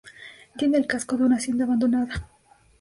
Tiene el casco de una hacienda abandonada.